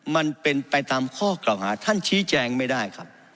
มันเป็นไปตามข้อกล่าวหาท่านชี้แจงไม่ได้ครับ